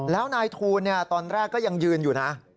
แล้วนายทูลตอนแรกก็ยังยืนอยู่นะ